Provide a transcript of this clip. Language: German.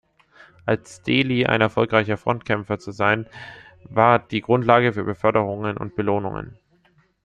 Als "Deli" ein erfolgreicher Frontkämpfer zu sein, war die Grundlage für Beförderungen und Belohnungen.